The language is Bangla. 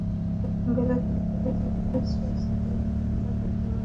বেলা তিনটা থেকে প্রায় সোয়া দুই ঘণ্টা তার জবানবন্দি নেওয়া হয়।